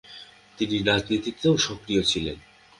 তিনি রাজনীতিতেও সক্রিয় ছিলেন।